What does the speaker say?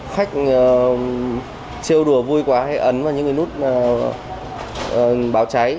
khách trêu đùa vui quá hay ấn vào những cái nút báo cháy